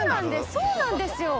そうなんですよ。